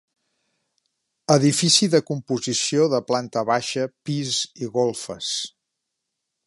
Edifici de composició de planta baixa, pis i golfes.